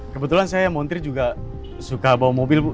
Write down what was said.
kebetulan saya montir juga suka bawa mobil bu